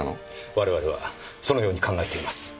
我々はそのように考えています。